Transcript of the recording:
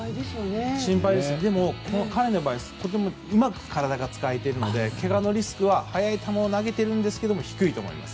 彼の場合とてもうまく体が使えているのでけがのリスクは速い球を投げているんですが低いと思います。